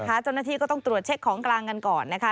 เจ้าหน้าที่ก็ต้องตรวจเช็คของกลางกันก่อนนะคะ